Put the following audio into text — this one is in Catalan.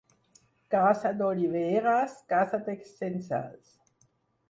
Casa d'oliveres, casa de censals.